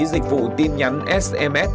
dịch vụ tin nhắn sms